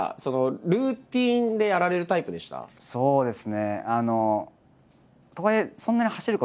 そうですね。